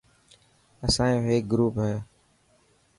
اسانيو هيڪ گروپ هي.